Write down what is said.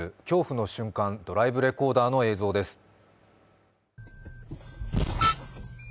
恐怖の瞬間、ドライブレコーダーの映像です。